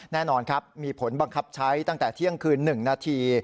แน่นอนครับมีผลบังคับใช้ตั้งแต่เที่ยงคืน๑นาที